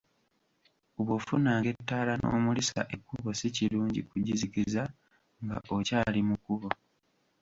Bw’ofunanga ettaala n'omulisa ekkubo si kirungi kugizikiza nga okyali ku kkubo.